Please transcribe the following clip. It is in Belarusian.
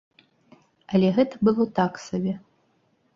Але гэта было так сабе.